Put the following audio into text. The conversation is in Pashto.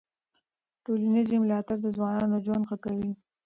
ټولنیز ملاتړ د ځوانانو ژوند ښه کوي.